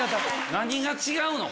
何が違うの？